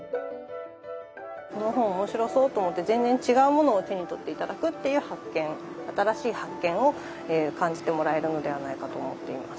この本面白そうと思って全然違うものを手に取って頂くっていう発見新しい発見を感じてもらえるのではないかと思っています。